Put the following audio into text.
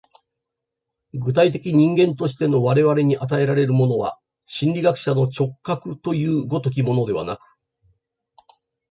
具体的人間としての我々に与えられるものは、心理学者の直覚という如きものではなく、